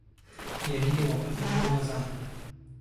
Я видела по твоим глазам.